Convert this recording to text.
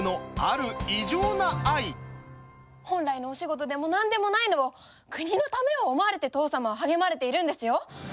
本来のお仕事でも何でもないのを国のためを思われて父さまは励まれているんですよ。